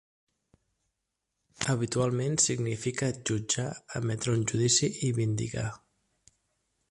Habitualment significa "jutjar", "emetre un judici" i "vindicar".